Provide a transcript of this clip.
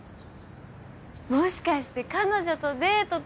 もしかして彼女とデートとか？